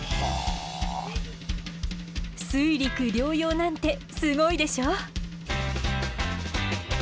水陸両用なんてすごいでしょ？